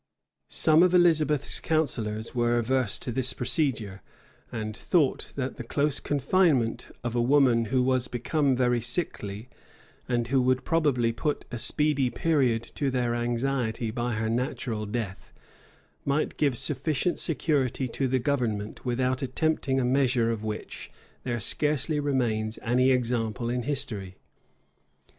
Some of Elizabeth's counsellors were averse to this procedure, and thought that the close confinement of a woman who was become very sickly, and who would probably put a speedy period to their anxiety by her natural death, might give sufficient security to the government without attempting a measure of which there scarcely remains any example in history.